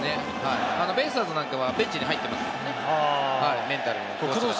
ベイスターズなんかはベンチに入っていますね、メンタルのコーチ。